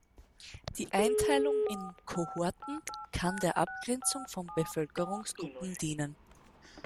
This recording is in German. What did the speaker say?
Die Einteilung in Kohorten kann der Abgrenzung von Bevölkerungsgruppen dienen.